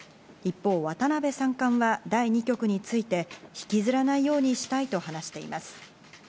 一方、渡辺三冠は第２局について、ひきずらないようにしたいと話しています。